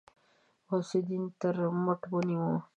غوث الدين تر مټ ونيوله.